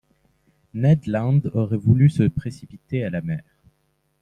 Ned Land aurait voulu se précipiter à la mer.